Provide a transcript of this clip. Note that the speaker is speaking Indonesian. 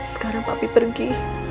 sekarang papi pergi